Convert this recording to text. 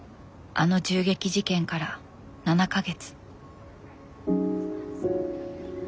あの銃撃事件から７か月。